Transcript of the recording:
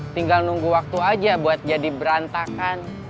tinggal nunggu waktu aja buat jadi berantakan